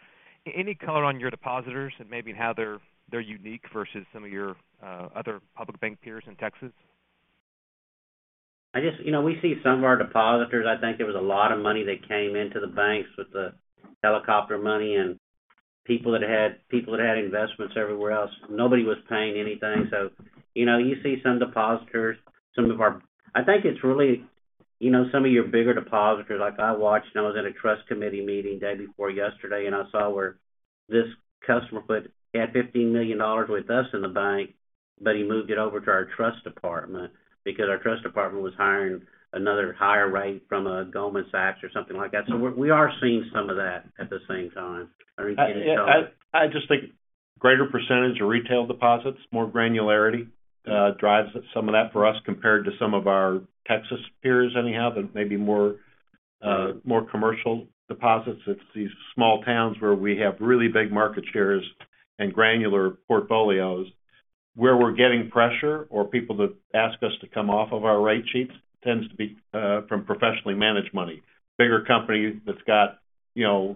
Any color on your depositors and maybe how they're unique versus some of your other public bank peers in Texas? I just. You know, we see some of our depositors. I think there was a lot of money that came into the banks with the helicopter money and people that had investments everywhere else. Nobody was paying anything. You know, you see some depositors, some of our. I think it's really, you know, some of your bigger depositors, like I watched, and I was at a trust committee meeting day before yesterday, and I saw where this customer put he had $15 million with us in the bank, but he moved it over to our trust department because our trust department was hiring another higher rate from a Goldman Sachs or something like that. We are seeing some of that at the same time. Are you getting color? I just think greater percentage of retail deposits, more granularity, drives some of that for us compared to some of our Texas peers anyhow, that may be more commercial deposits. It's these small towns where we have really big market shares and granular portfolios. Where we're getting pressure or people that ask us to come off of our rate sheets tends to be from professionally managed money. Bigger company that's got, you know,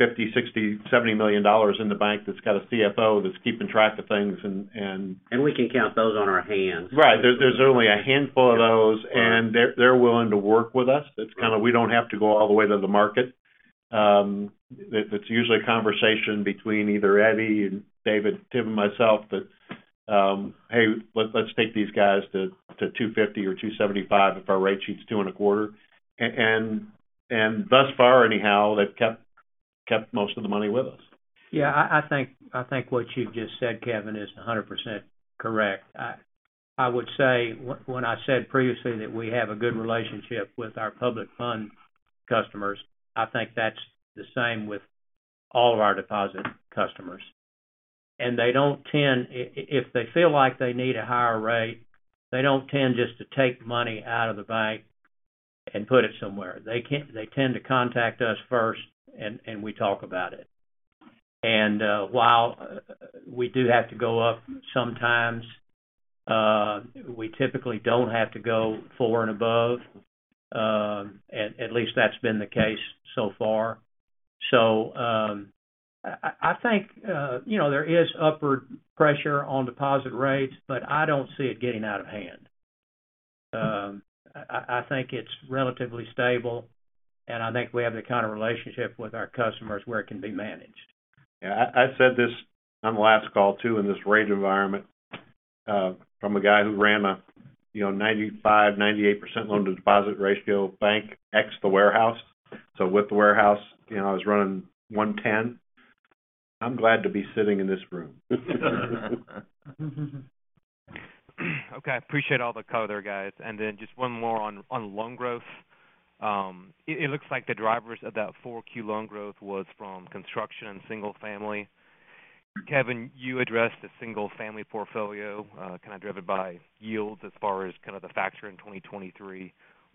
$50 million, $60 million, $70 million in the bank, that's got a CFO that's keeping track of things. We can count those on our hands. Right. There's only a handful of those. Yeah. Right. They're willing to work with us. Right. That's kind of. We don't have to go all the way to the market. It's usually a conversation between either Eddie and David, Tim, and myself that, hey, let's take these guys to 2.50% or 2.75% if our rate sheet's 2.25%. And thus far, anyhow, they've kept most of the money with us. Yeah, I think what you've just said, Kevin, is 100% correct. I would say when I said previously that we have a good relationship with our public fund customers, I think that's the same with all of our deposit customers. They don't tend if they feel like they need a higher rate, they don't tend just to take money out of the bank and put it somewhere. They tend to contact us first and we talk about it. While we do have to go up sometimes, we typically don't have to go four and above. At least that's been the case so far. I think, you know, there is upward pressure on deposit rates, but I don't see it getting out of hand. I think it's relatively stable, and I think we have the kind of relationship with our customers where it can be managed. Yeah. I said this on the last call too, in this rate environment, from a guy who ran a, you know, 95%, 98% loan to deposit ratio bank, ex the warehouse. With the warehouse, you know, I was running 110. I'm glad to be sitting in this room. Okay. Appreciate all the color, guys. Then just one more on loan growth. It looks like the drivers of that 4Q loan growth was from construction and single-family. Kevin, you addressed the single-family portfolio, kind of driven by yields as far as kind of the factor in 2023.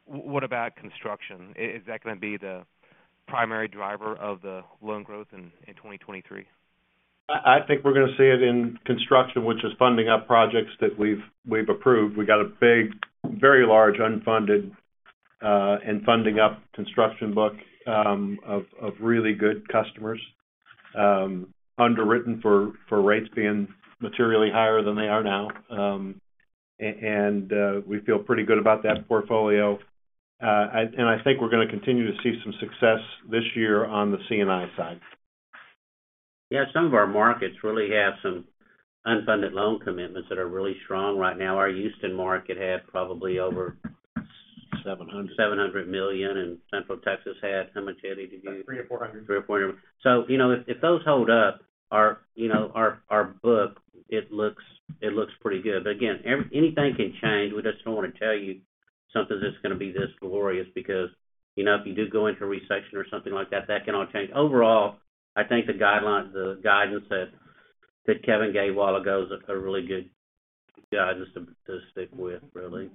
What about construction? Is that gonna be the primary driver of the loan growth in 2023? I think we're gonna see it in construction, which is funding up projects that we've approved. We got a big, very large unfunded and funding up construction book of really good customers, underwritten for rates being materially higher than they are now. I think we're gonna continue to see some success this year on the C&I side. Yeah. Some of our markets really have some unfunded loan commitments that are really strong right now. Our Houston market had probably over-. $700. $700 million. Central Texas had, How much, Eddie, did you? About $300-$400. You know, if those hold up our, you know, our book, it looks pretty good. Again, anything can change. We just don't want to tell you something that's going to be this glorious because, you know, if you do go into a recession or something like that can all change. Overall, I think the guidelines, the guidance that Kevin gave a while ago is a really good guidance to stick with really.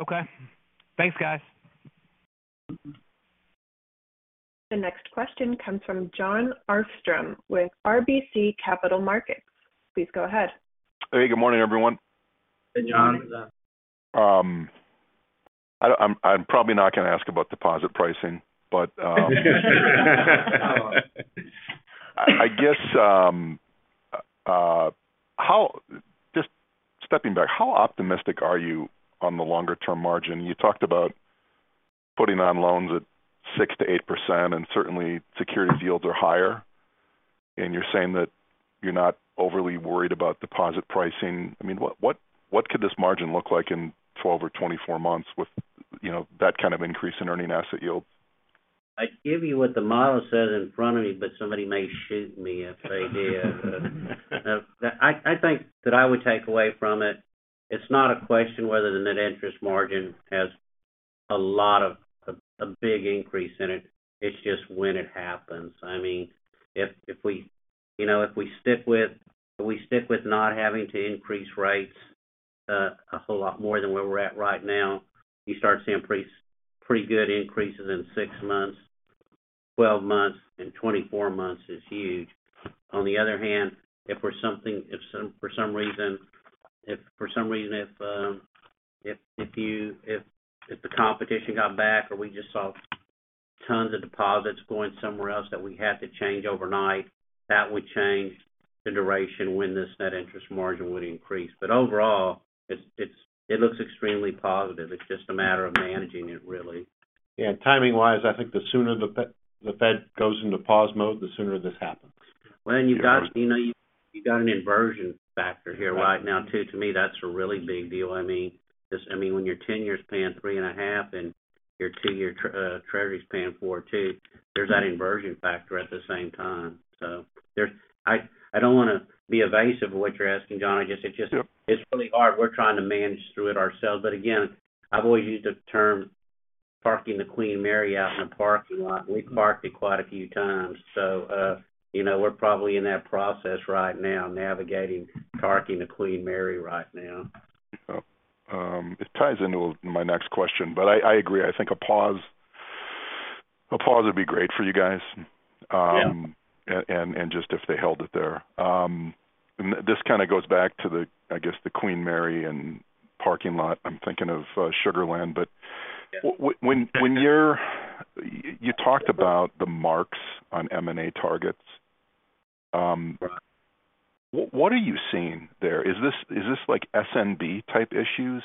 Okay. Thanks, guys. The next question comes from Jon Arfstrom with RBC Capital Markets. Please go ahead. Hey, good morning, everyone. Hey, Jon. Good morning, Jon. I'm probably not gonna ask about deposit pricing, but I guess, just stepping back, how optimistic are you on the longer term margin? You talked about putting on loans at 6%-8%, and certainly security yields are higher, and you're saying that you're not overly worried about deposit pricing. I mean, what could this margin look like in 12 or 24 months with, you know, that kind of increase in earning asset yield? I'd give you what the model says in front of me, but somebody may shoot me if they did. I think what I would take away from it's not a question whether the net interest margin has a lot of a big increase in it. It's just when it happens. I mean, if we, you know, if we stick with not having to increase rates, a whole lot more than where we're at right now, you start seeing pretty good increases in six months. 12 months and 24 months is huge. On the other hand, if for some reason if you, if the competition got back or we just saw tons of deposits going somewhere else that we had to change overnight, that would change the duration when this net interest margin would increase. Overall, it's, it looks extremely positive. It's just a matter of managing it really. Timing-wise, I think the sooner the Fed goes into pause mode, the sooner this happens. You've got, you know, an inversion factor here right now too. To me, that's a really big deal. I mean, just I mean, when your 10-year's paying 3.5 and your 2-year treasury's paying 4 too, there's that inversion factor at the same time. I don't wanna be evasive of what you're asking, John. I guess it just. No... it's really hard. We're trying to manage through it ourselves. Again, I've always used the term parking the Queen Mary out in a parking lot, and we've parked it quite a few times. You know, we're probably in that process right now, navigating parking the Queen Mary right now. Yep. It ties into my next question, but I agree. I think a pause would be great for you guys. Yeah... and just if they held it there. This kind of goes back to the, I guess, the Queen Mary and parking lot. I'm thinking of Sugar Land. Yeah. You talked about the marks on M&A targets. Right what are you seeing there? Is this like SBNY type issues?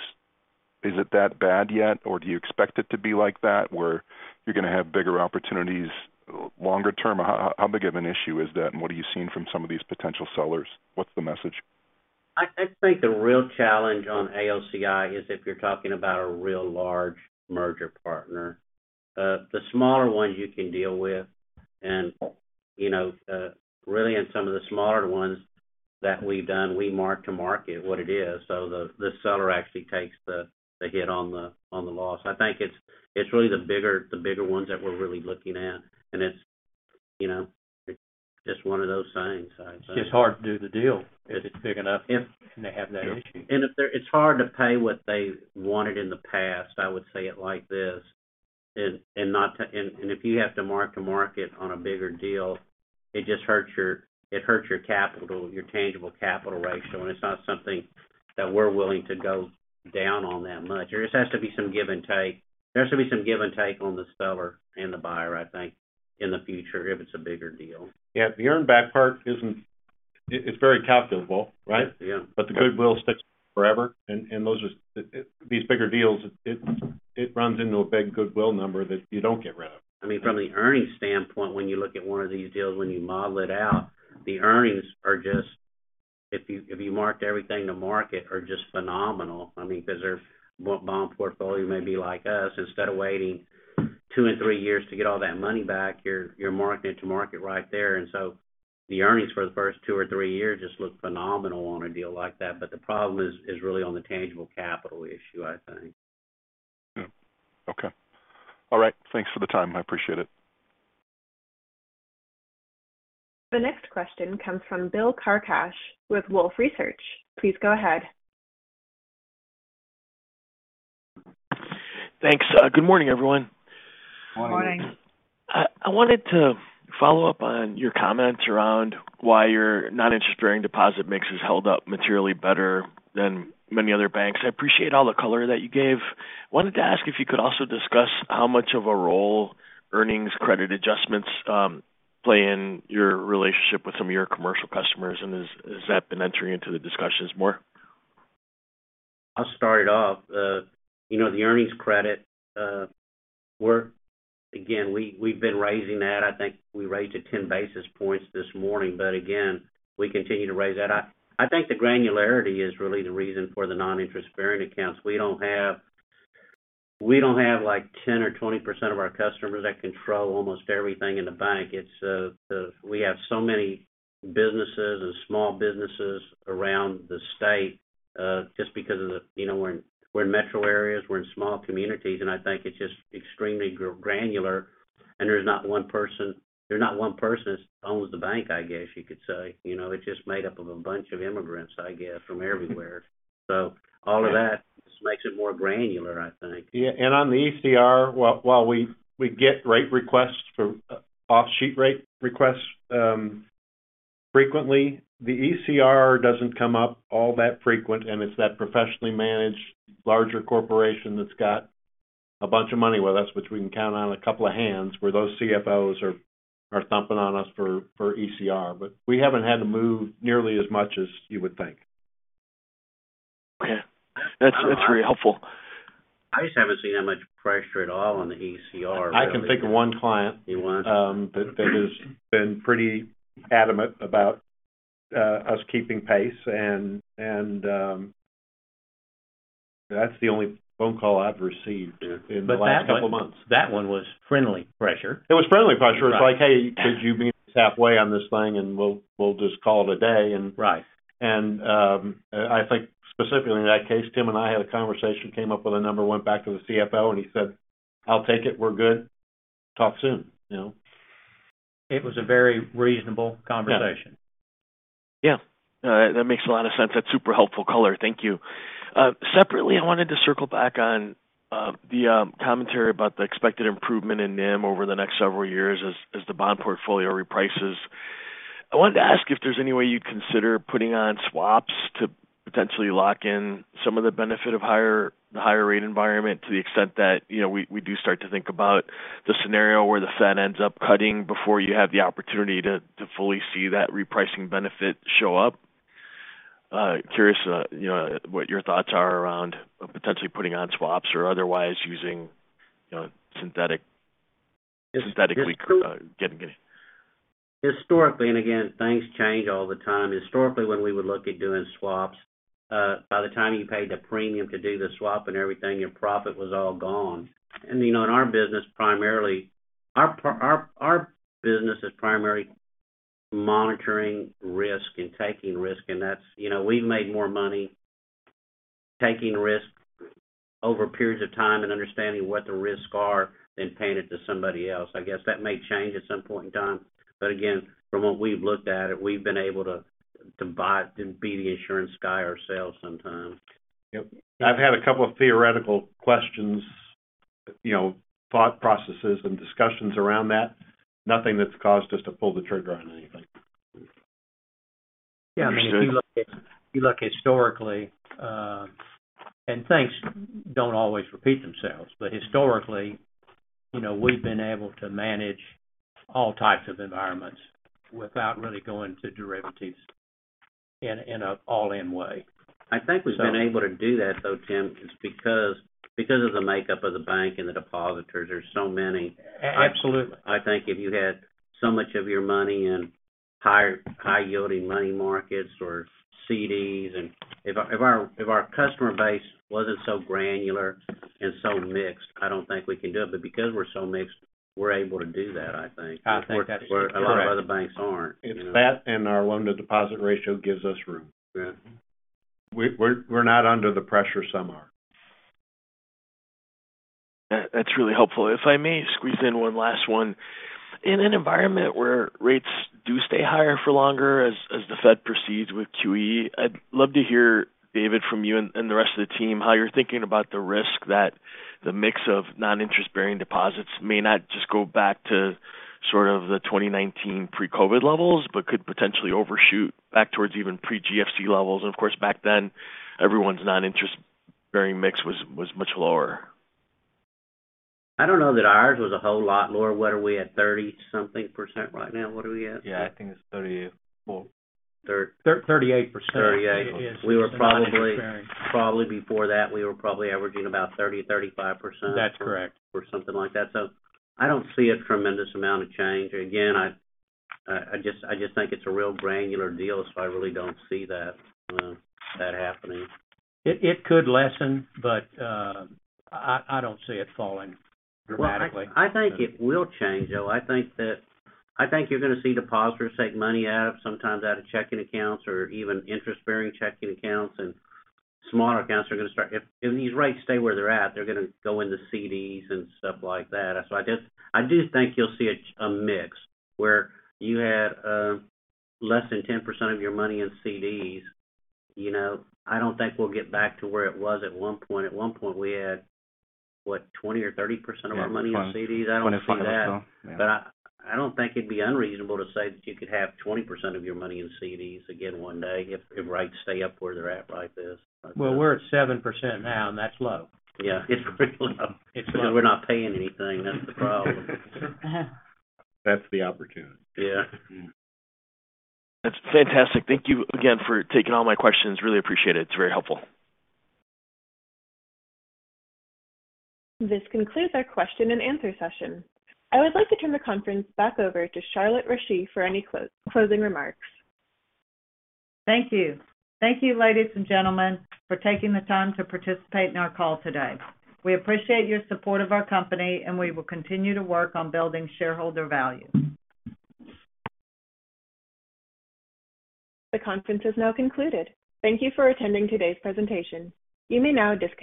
Is it that bad yet, or do you expect it to be like that where you're gonna have bigger opportunities longer term? How big of an issue is that, and what are you seeing from some of these potential sellers? What's the message? I think the real challenge on AOCI is if you're talking about a real large merger partner. The smaller ones you can deal with and, you know, really in some of the smaller ones that we've done, we mark to market what it is. The seller actually takes the hit on the loss. I think it's really the bigger ones that we're really looking at. It's, you know, just one of those sayings. I'd say. It's hard to do the deal if it's big enough. If-... they have that issue. If it's hard to pay what they wanted in the past, I would say it like this, and not to... If you have to mark to market on a bigger deal It just hurts your capital, your tangible capital ratio, and it's not something that we're willing to go down on that much. There just has to be some give and take. There has to be some give and take on the seller and the buyer, I think, in the future if it's a bigger deal. Yeah. The earn back part isn't, it's very capitalizable, right? Yeah. The goodwill sticks forever, and these bigger deals, it runs into a big goodwill number that you don't get rid of. I mean, from the earnings standpoint, when you look at one of these deals, when you model it out, the earnings are just if you marked everything to market are just phenomenal. I mean, because their bond portfolio may be like us. Instead of waiting two and three years to get all that money back, you're marking it to market right there. The earnings for the first two or three years just look phenomenal on a deal like that. The problem is really on the tangible capital issue, I think. Yeah. Okay. All right. Thanks for the time. I appreciate it. The next question comes from Bill Carcache with Wolfe Research. Please go ahead. Thanks. Good morning, everyone. Morning. Morning. I wanted to follow up on your comments around why your non-interest-bearing deposit mix has held up materially better than many other banks. I appreciate all the color that you gave. Wanted to ask if you could also discuss how much of a role earnings credit adjustments play in your relationship with some of your commercial customers, and has that been entering into the discussions more? I'll start it off. You know, the earnings credit, again, we've been raising that. I think we raised it 10 basis points this morning, but again, we continue to raise that. I think the granularity is really the reason for the non-interest-bearing accounts. We don't have, like, 10% or 20% of our customers that control almost everything in the bank. It's, we have so many businesses and small businesses around the state, just because of the, you know, we're in metro areas, we're in small communities, and I think it's just extremely granular, and there's not one person that owns the bank, I guess, you could say. You know, it's just made up of a bunch of immigrants, I guess, from everywhere. All of that just makes it more granular, I think. Yeah. On the ECR, while we get rate requests for off-sheet rate requests, frequently, the ECR doesn't come up all that frequent. It's that professionally managed larger corporation that's got a bunch of money with us, which we can count on a couple of hands, where those CFOs are thumping on us for ECR. We haven't had to move nearly as much as you would think. Okay. That's very helpful. I just haven't seen that much pressure at all on the ECR, really. I can pick one client, that has been pretty adamant about us keeping pace and that's the only phone call I've received here in the last couple of months. That one, that one was friendly pressure. It was friendly pressure. Right. It's like, "Hey, could you meet us halfway on this thing, and we'll just call it a day? Right. I think specifically in that case, Tim and I had a conversation, came up with a number, went back to the CFO, and he said, "I'll take it. We're good. Talk soon." You know? It was a very reasonable conversation. Yeah. Yeah. That makes a lot of sense. That's super helpful color. Thank you. Separately, I wanted to circle back on the commentary about the expected improvement in NIM over the next several years as the bond portfolio reprices. I wanted to ask if there's any way you'd consider putting on swaps to potentially lock in some of the benefit of higher, the higher rate environment to the extent that, you know, we do start to think about the scenario where the Fed ends up cutting before you have the opportunity to fully see that repricing benefit show up. Curious, you know, what your thoughts are around potentially putting on swaps or otherwise using, you know, synthetic, synthetically getting it. Historically, and again, things change all the time. Historically, when we would look at doing swaps, by the time you paid the premium to do the swap and everything, your profit was all gone. You know, in our business, primarily, our business is primary monitoring risk and taking risk, and that's, you know, we've made more money taking risk over periods of time and understanding what the risks are than paying it to somebody else. I guess that may change at some point in time. Again, from what we've looked at, we've been able to be the insurance guy ourselves sometimes. Yep. I've had a couple of theoretical questions, you know, thought processes and discussions around that. Nothing that's caused us to pull the trigger on anything. Yeah. I mean, if you look historically, things don't always repeat themselves. Historically, you know, we've been able to manage all types of environments without really going to derivatives in an all-in way. I think we've been able to do that, though, Tim, is because of the makeup of the bank and the depositors. There's so many. Absolutely. I think if you had so much of your money in high yielding money markets or CDs and if our customer base wasn't so granular and so mixed, I don't think we can do it. Because we're so mixed, we're able to do that, I think. I think that's correct. Where a lot of other banks aren't. It's that and our loan to deposit ratio gives us room. Yeah. We're not under the pressure some are. That's really helpful. If I may squeeze in one last one. In an environment where rates do stay higher for longer as the Fed proceeds with QE, I'd love to hear, David, from you and the rest of the team, how you're thinking about the risk that the mix of non-interest-bearing deposits may not just go back to sort of the 2019 pre-COVID levels, but could potentially overshoot back towards even pre-GFC levels. Of course, back then, everyone's non-interest-bearing mix was much lower. I don't know that ours was a whole lot lower. What are we at, 30 something % right now? What are we at? Yeah, I think it's 34. Thir- 38%. 38. We were probably before that, we were probably averaging about 30%, 35%. That's correct. Something like that. I don't see a tremendous amount of change. Again, I just think it's a real granular deal, I really don't see that happening. It could lessen, but I don't see it falling dramatically. I think it will change, though. I think you're going to see depositors take money out, sometimes out of checking accounts or even interest-bearing checking accounts, and smaller accounts are going to start. If these rates stay where they're at, they're going to go into CDs and stuff like that. I do think you'll see a mix where you have less than 10% of your money in CDs. You know, I don't think we'll get back to where it was at one point. At one point, we had, what, 20% or 30% of our money in CDs? Yeah. I don't see that. 25 or so, yeah. I don't think it'd be unreasonable to say that you could have 20% of your money in CDs again one day if rates stay up where they're at like this. Well, we're at 7% now, and that's low. It's really low. It's low. We're not paying anything. That's the problem. That's the opportunity. Yeah. That's fantastic. Thank you again for taking all my questions. Really appreciate it. It's very helpful. This concludes our question and answer session. I would like to turn the conference back over to Charlotte Rasche for any closing remarks. Thank you. Thank you, ladies and gentlemen, for taking the time to participate in our call today. We appreciate your support of our company, and we will continue to work on building shareholder value. The conference is now concluded. Thank you for attending today's presentation. You may now disconnect.